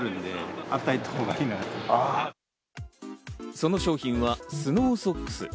その商品は、スノーソックス。